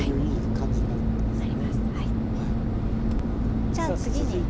じゃあ次にはい。